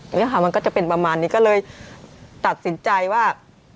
มันก็จะเป็นประมาณนี้ก็เลยตัดสินใจว่า